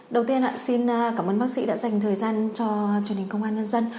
đầu tiên xin cảm ơn bác sĩ đã dành thời gian cho truyền hình công an nhân dân